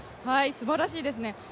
すばらしいですね。